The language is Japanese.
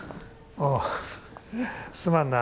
ああすまんな